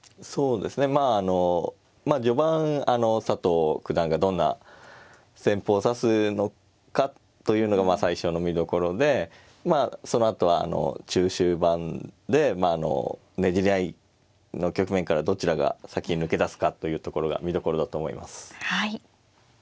そうですねまああの序盤佐藤九段がどんな戦法を指すのかというのが最初の見どころでまあそのあとは中終盤でねじり合いの局面からどちらが先に抜け出すかというところが見どころだと思います。